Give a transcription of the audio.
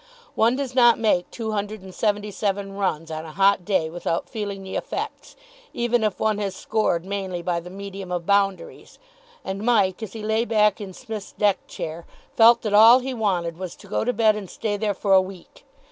One does not make two hundred and seventy seven runs on a hot day without feeling the effects, even if one has scored mainly by the medium of boundaries; and Mike, as he lay back in Psmith's deck chair, felt that all he wanted was to go to bed and stay there for a week.